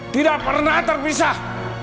tidak pernah terpisah